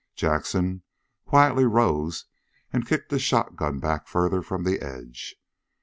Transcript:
Jackson quietly rose and kicked the shotgun back farther from the edge.